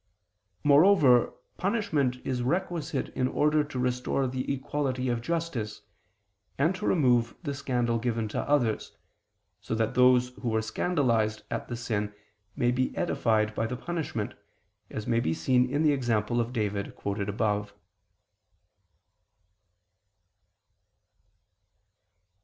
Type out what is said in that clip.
Moreover punishment is requisite in order to restore the equality of justice, and to remove the scandal given to others, so that those who were scandalized at the sin many be edified by the punishment, as may be seen in the example of David quoted above.